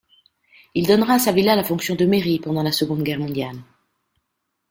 Il donnera à sa villa la fonction de mairie pendant la Seconde Guerre mondiale.